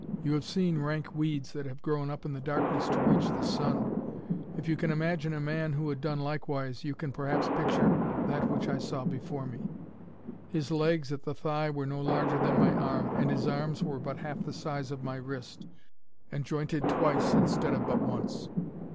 You have seen rank weeds that have grown up in the darkness to reach the sun; if you can imagine a man who had done likewise, you can, perhaps, picture that which I saw before me. His legs at the thigh were no larger than my arm, and his arms were but half the size of my wrist, and jointed twice instead of but once.